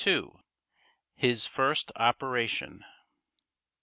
HIS FIRST OPERATION.